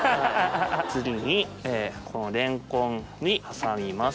次にレンコンに挟みます。